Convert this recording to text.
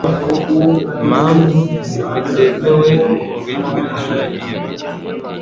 mpamvu bitemewe kuyikoresha iyo miti